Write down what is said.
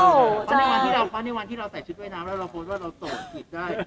เพราะว่าในวันที่เราแต่ชุดว่ายน้ำแล้วเราโพสต์ว่าเราโสดผีดได้